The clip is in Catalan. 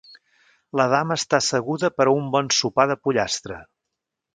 La dama està asseguda per a un bon sopar de pollastre.